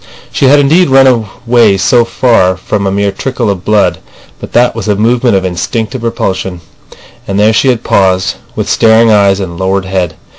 She had indeed run away so far from a mere trickle of blood, but that was a movement of instinctive repulsion. And there she had paused, with staring eyes and lowered head.